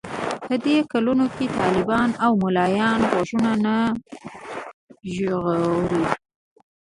په دې کلونو کې طالبان او ملايان غوږونه نه ژغوري.